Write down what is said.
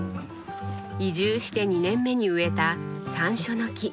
移住して２年目に植えたさんしょうの木。